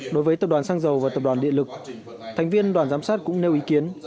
đối với tập đoàn xăng dầu và tập đoàn điện lực thành viên đoàn giám sát cũng nêu ý kiến